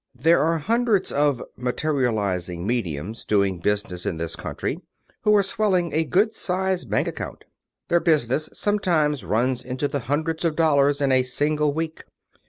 ... There are hundreds of " mate rializing mediums doing business in this country, who are swelling a good sized bank account. Their business some times runs into the hundreds of dollars in a single week.